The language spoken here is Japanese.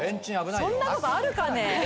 そんなことあるかね。